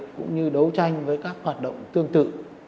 cũng như đấu tranh với các hoạt động tương tự